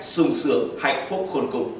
xung sượng hạnh phúc khôn cùng